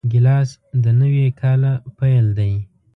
ګیلاس د نوي کاله پیل دی.